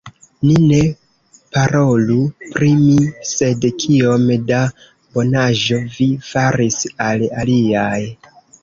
Ni ne parolu pri mi, sed kiom da bonaĵo vi faris al aliaj!